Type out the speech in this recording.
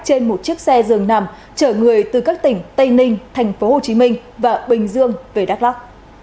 trên một chiếc xe dường nằm chở người từ các tỉnh tây ninh tp hcm và bình dương về đắk lắc